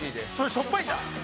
◆しょっぱいんだ。